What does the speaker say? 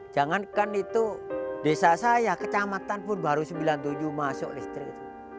jangankan itu desa saya kecamatan pun baru sembilan puluh tujuh masuk listrik